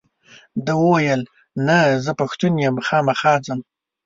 ده وویل نه زه پښتون یم خامخا ځم.